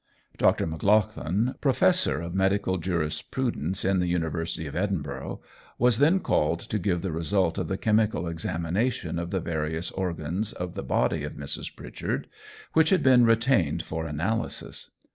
Dr. Maclagan, professor of medical jurisprudence in the University of Edinburgh, was then called to give the result of the chemical examination of the various organs of the body of Mrs. Pritchard, which had been retained for analysis.